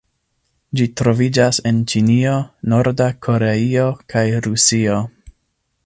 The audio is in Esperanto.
Ĝi troviĝas en Ĉinio, Norda Koreio kaj Rusio.